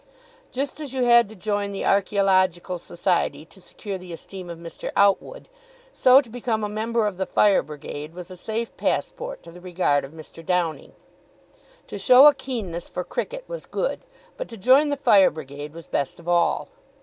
Just as you had to join the Archaeological Society to secure the esteem of Mr. Outwood, so to become a member of the Fire Brigade was a safe passport to the regard of Mr. Downing. To show a keenness for cricket was good, but to join the Fire Brigade was best of all.